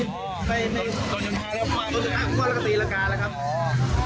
โดนยนทาแล้วมาโดนยนทาแล้วก็ตีละกาแล้วครับอ๋อ